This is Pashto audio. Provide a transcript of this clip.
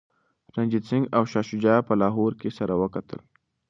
رنجیت سنګ او شاه شجاع په لاهور کي سره وکتل.